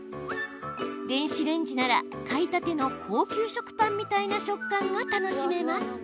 電子レンジなら買いたての高級食パンみたいな食感が楽しめます。